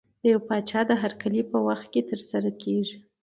د یو پاچا د هرکلي په وخت کې ترسره کېږي.